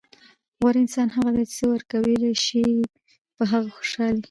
غوره انسان هغه دئ، چي څه ورکول سوي يي؛ په هغه خوشحال يي.